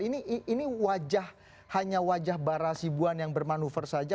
ini wajah hanya wajah bara sibuan yang bermanuver saja